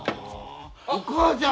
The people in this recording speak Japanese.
お母ちゃん！